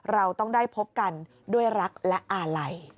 เราต้องได้พบกันด้วยรักและอาลัย